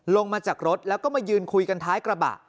ลงมาจากรถแล้วก็มายืนคุยกันท้ายกระบะ